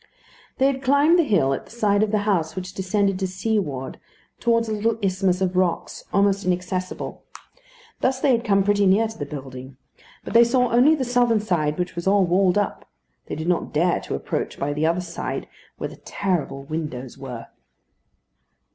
They had climbed the hill at the side of the house which descended to seaward towards a little isthmus of rocks almost inaccessible. Thus they had come pretty near to the building; but they saw only the southern side, which was all walled up. They did not dare to approach by the other side, where the terrible windows were.